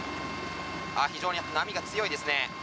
非常に波が強いですね。